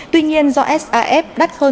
tuy nhiên do s a f đắt hơn